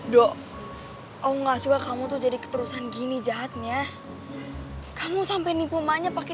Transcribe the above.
dok oh enggak suka kamu tuh jadi keterusan gini jahatnya kamu sampai nipumanya pakai